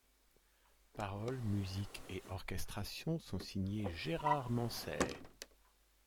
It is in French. Paroles, musiques et orchestrations sont signés Gérard Manset.